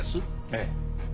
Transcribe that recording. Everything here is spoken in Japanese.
ええ。